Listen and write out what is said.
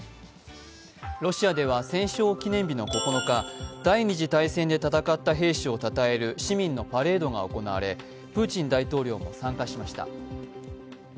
ロシアでは戦勝記念日の９日第二次大戦で戦った兵士をたたえる市民のパレードが行われ、プーチン大統領も参加しました。